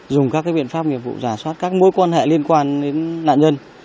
dùng các biện pháp nghiệp vụ giả soát các mối quan hệ liên quan đến nạn nhân